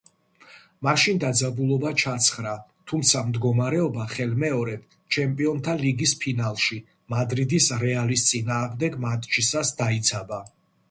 მაშინ დაძაბულობა ჩაცხრა, თუმცა მდგომარეობა ხელმეორედ ჩემპიონთა ლიგის ფინალში მადრიდის „რეალის“ წინააღმდეგ მატჩისას დაიძაბა.